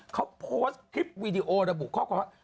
เขาโพสต์คลิปวีดีโอระบุข้อความว่า